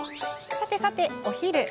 さてさて、お昼。